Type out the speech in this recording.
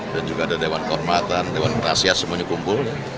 dan juga ada dewan kormatan dewan rasyat semuanya kumpul